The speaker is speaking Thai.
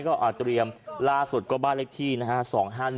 ก็เตรียมล่าสุดก็บ้านเลขที่นะฮะ